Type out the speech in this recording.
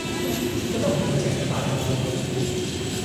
覺得唔會淨係得大波妹